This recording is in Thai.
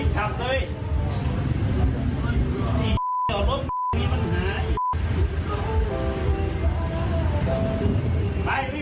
กลับมาเมื่อกี้